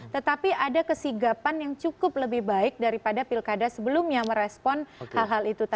tetapi ada kesigapan yang cukup lebih baik daripada pilkada sebelumnya merespon hal hal itu tadi